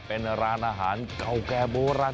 เป็นร้านอาหารเก่าแก่โบราณ